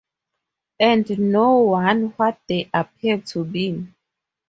And no one what they appear to be.